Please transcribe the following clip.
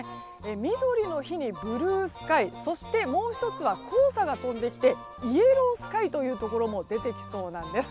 みどりの日にブルースカイそしてもう１つは黄砂が飛んできてイエロースカイというところも出てきそうなんです。